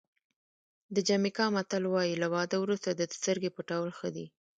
د جمیکا متل وایي له واده وروسته د سترګې پټول ښه دي.